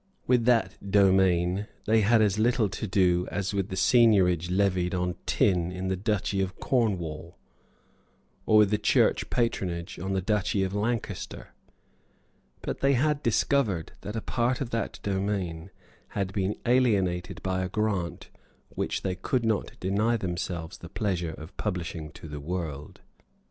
With that domain they had as little to do as with the seignorage levied on tin in the Duchy of Cornwall, or with the church patronage of the Duchy of Lancaster. But they had discovered that a part of that domain had been alienated by a grant which they could not deny themselves the pleasure of publishing to the world.